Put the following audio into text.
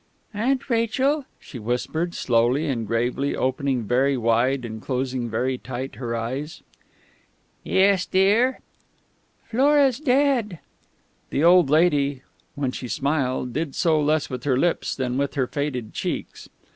"Aunt Rachel " she whispered, slowly and gravely opening very wide and closing very tight her eyes. "Yes, dear?" "Flora's dead!" The old lady, when she smiled, did so less with her lips than with her faded cheeks.